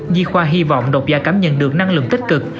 nhi khoa hy vọng độc gia cảm nhận được năng lượng tích cực